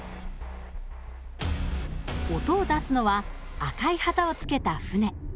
音を出すのは赤い旗をつけた船。